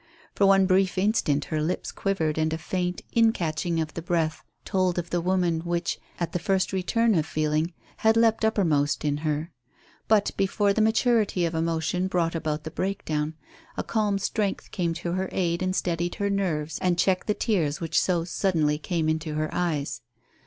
For one brief instant her lips quivered, and a faint in catching of the breath told of the woman, which, at the first return of feeling, had leapt uppermost in her. But before the maturity of emotion brought about the breakdown, a calm strength came to her aid and steadied her nerves and checked the tears which had so suddenly come into her eyes.